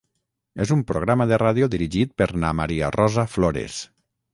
és un programa de ràdio dirigit per na Maria Rosa Flores